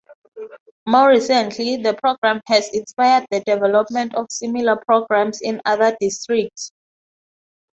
More recently, the program has inspired the development of similar programs in other districts.